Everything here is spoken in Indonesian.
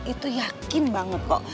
itu yakin banget kok